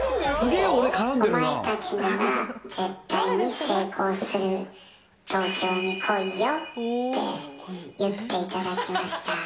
お前たちなら絶対に成功する、東京に来いよって言っていただきました。